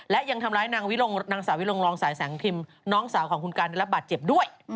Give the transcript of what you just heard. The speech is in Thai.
และยังทำร้ายนางสาวิลงรองสายแสงพิมพ์น้องสาวของคุณกันได้รับบาดเจ็บด้วย